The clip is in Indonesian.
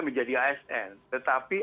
menjadi asn tetapi